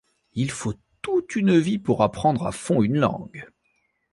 Il faut toute une vie pour apprendre à fond une langue.